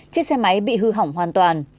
chiếc xe máy bị hư hỏng hoàn toàn